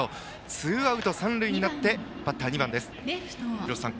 ツーアウト、三塁になってバッターは２番です。